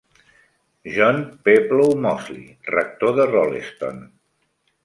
John Peploe Mosley, rector de Rolleston.